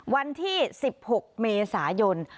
วันที่๑๖เมษายน